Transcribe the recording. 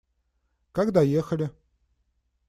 Как доехали?